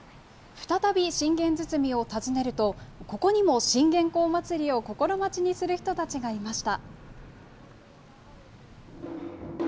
再び信玄堤を訪ねると、ここにも信玄公祭りを心待ちにする人たちがいました。